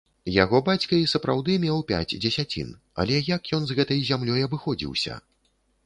Яго бацька і сапраўды меў пяць дзесяцін, але як ён з гэтай зямлёй абыходзіўся?